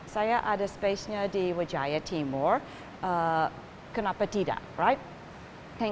saya ada ruangnya di wijaya timur kenapa tidak